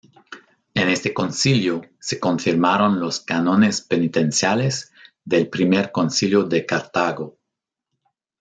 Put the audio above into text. En este concilio se confirmaron los cánones penitenciales del primer Concilio de Cartago.